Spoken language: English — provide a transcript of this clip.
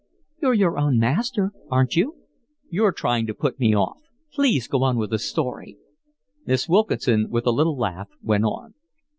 "You're your own master, aren't you?" "You're trying to put me off. Please go on with the story." Miss Wilkinson, with a little laugh, went on.